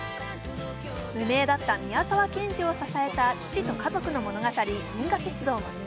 無名だった宮沢賢治を支えた父と家族の物語、「銀河鉄道の父」。